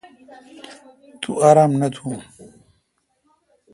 تو آرام نہ تھون۔